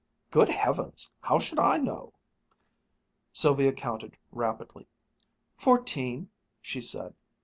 "Good Heavens! how should I know?" Sylvia counted rapidly. "Fourteen," she said.